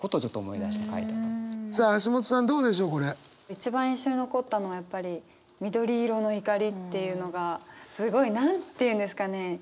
一番印象に残ったのはやっぱり「緑色の怒り」っていうのがすごい何て言うんですかね